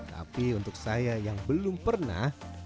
tapi untuk saya yang belum pernah